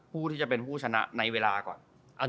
ผู้ที่จะเป็นผู้ชนะในเวลาก่อน